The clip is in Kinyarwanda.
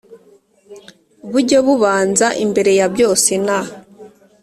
bujye bubanza imbere ya byose n